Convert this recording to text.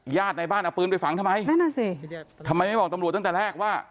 ในบ้านเอาปืนไปฝังทำไมนั่นอ่ะสิทำไมไม่บอกตำรวจตั้งแต่แรกว่า